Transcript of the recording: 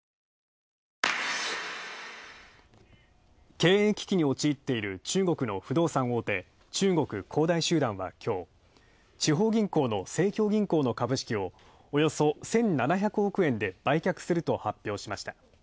経営危機に陥っている中国の不動産大手、中国恒大集団はきょう、地方銀行の盛京銀行の株式をおよそ１７００億円で売却すると発表しました。